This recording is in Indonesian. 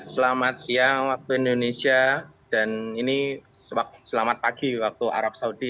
selamat siang waktu indonesia dan ini selamat pagi waktu arab saudi